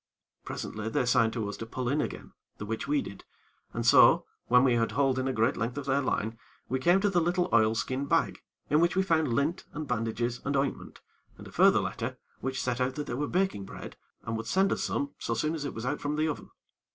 Presently, they signed to us to pull in again, the which we did, and so, when we had hauled in a great length of their line, we came to the little oilskin bag, in which we found lint and bandages and ointment, and a further letter, which set out that they were baking bread, and would send us some so soon as it was out from the oven.